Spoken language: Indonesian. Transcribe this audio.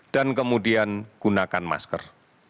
dan kemudian gunakan masker